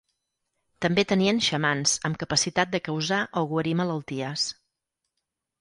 També tenien xamans amb capacitat de causar o guarir malalties.